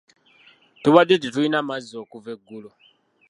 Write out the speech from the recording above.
Tubadde tetulina mazzi okuva eggulo.